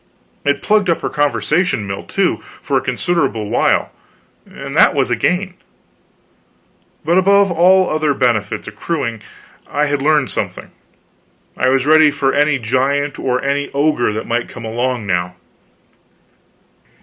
It plugged up her conversation mill, too, for a considerable while, and that was a gain. But above all other benefits accruing, I had learned something. I was ready for any giant or any ogre that might come along, now.